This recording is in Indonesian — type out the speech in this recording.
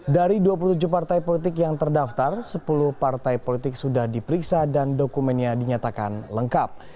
dari dua puluh tujuh partai politik yang terdaftar sepuluh partai politik sudah diperiksa dan dokumennya dinyatakan lengkap